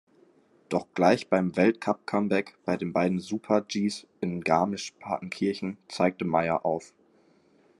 Doch gleich beim Weltcup-Comeback, bei den beiden Super-Gs in Garmisch-Partenkirchen, zeigte Maier auf.